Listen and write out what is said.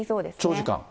長時間。